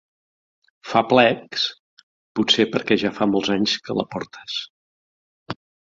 Fa plecs, potser perquè ja fa molts anys que la portes.